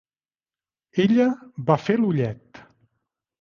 Ella va fer l'ullet.